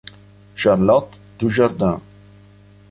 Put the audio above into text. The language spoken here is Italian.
Charlotte Dujardin